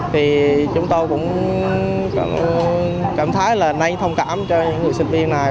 thì chúng tôi cũng cảm thấy là nên thông cảm cho những người sinh viên này